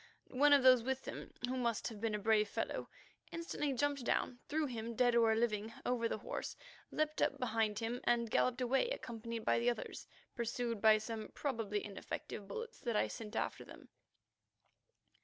One of those with him, who must have been a brave fellow, instantly jumped down, threw him, dead or living, over the horse, leaped up behind him, and galloped away accompanied by the others, pursued by some probably ineffective bullets that I sent after them.